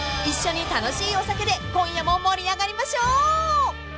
［一緒に楽しいお酒で今夜も盛り上がりましょう］